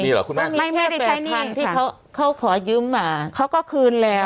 มีหรอคุณแม่ไม่ได้ใช้หนี้ที่เค้าเค้าขอยืมอ่ะเค้าก็คืนแล้ว